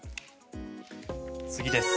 次です。